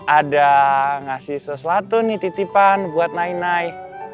ada ngasih sesuatu nih titipan buat nainai